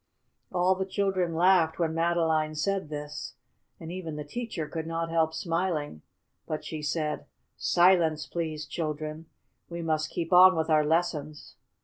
All the children laughed when Madeline said this, and even the teacher could not help smiling. But she said: "Silence, please, children. We must keep on with our lessons.